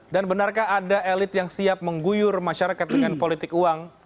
dan benarkah ada elit yang siap mengguyur masyarakat dengan politik uang